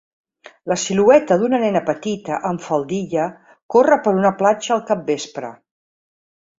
La silueta d'una nena petita amb faldilla corre per una platja al capvespre.